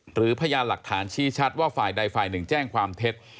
พยานหลักฐานชี้ชัดว่าฝ่ายใดฝ่ายหนึ่งแจ้งความเท็จ